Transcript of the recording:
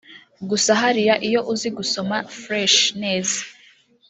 Gusa hariya iyo uzi gusoma fresh(neza)